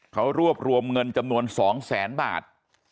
เขารวบรวมเงินจำนวน๒แสนบาท